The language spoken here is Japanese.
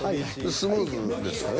［スムーズですかね